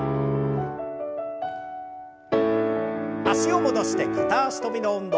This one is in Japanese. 脚を戻して片脚跳びの運動。